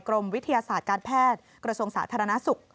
กรมวิทยาศาสตร์การแพทย์กระทรวงสาธารณสุข